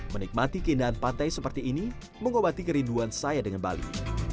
menikmati keindahan pantai seperti ini mengobati kerinduan saya dengan bali